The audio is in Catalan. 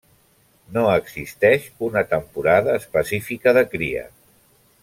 No existeix una temporada específica de cria.